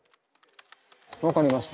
分かりました。